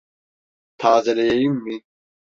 Tazeleyeyim mi?